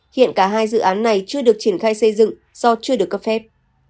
hiện cả hai dự án này chưa được triển khai xây dựng do chưa được cấp phép